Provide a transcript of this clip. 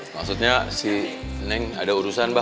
maksudnya si neng ada urusan mbak